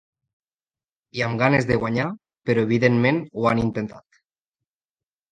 I amb ganes de guanyar, però evidentment ho han intentat.